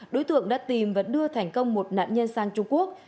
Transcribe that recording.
đức đã tìm và đưa thành công một nạn nhân sang trung quốc